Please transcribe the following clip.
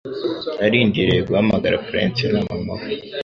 Arindiriye guhamagara prince na mama we.